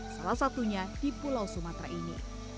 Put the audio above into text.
salah satunya di pulau sumatera ini